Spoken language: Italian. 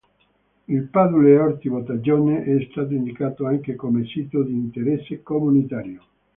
Il Padule Orti-Bottagone è stato indicato anche come sito di interesse comunitario.